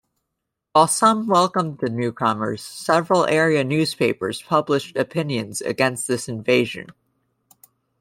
While some welcomed the newcomers, several area newspapers published opinions against this invasion.